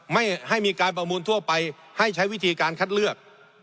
ไม่ให้มีการประมูลทั่วไปให้ใช้วิธีการคัดเลือก